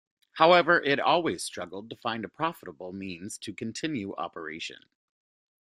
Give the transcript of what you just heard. However it always struggled to find a profitable means to continue operation.